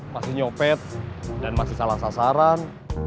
masih nyopet dan masih salah sasaran